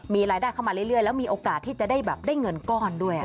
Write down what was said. มีรายได้เข้ามาเรื่อยแล้วมีโอกาสที่จะได้แบบได้เงินก้อนด้วย